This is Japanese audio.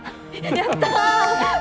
やった。